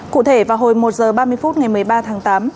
cụ thể vào hồi một h ba mươi phút ngày một mươi ba tháng tám